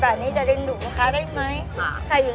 กับข้าวเหนี่ยวไปเลย